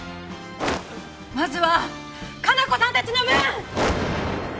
まずは加奈子さんたちの分！